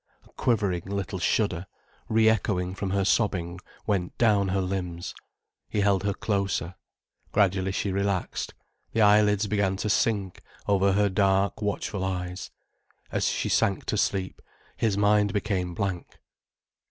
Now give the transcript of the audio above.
A quivering little shudder, re echoing from her sobbing, went down her limbs. He held her closer. Gradually she relaxed, the eyelids began to sink over her dark, watchful eyes. As she sank to sleep, his mind became blank.